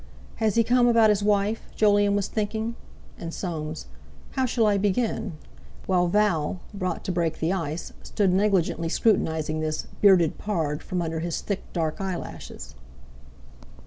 "Has he come about his wife?" Jolyon was thinking; and Soames, "How shall I begin?" while Val, brought to break the ice, stood negligently scrutinising this "bearded pard" from under his dark, thick eyelashes.